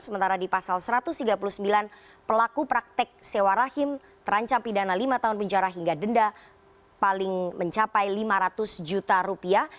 sementara di pasal satu ratus tiga puluh sembilan pelaku praktek sewa rahim terancam pidana lima tahun penjara hingga denda paling mencapai lima ratus juta rupiah